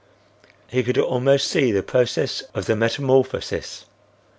He could almost see the process of the metamorphosis.